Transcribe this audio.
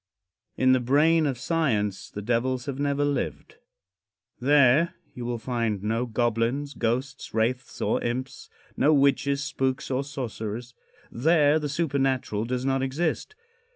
In the brain of science the devils have never lived. There you will find no goblins, ghosts, wraiths or imps no witches, spooks or sorcerers. There the supernatural does not exist.